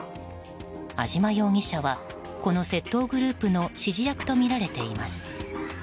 安島容疑者はこの窃盗グループの指示役とみられています。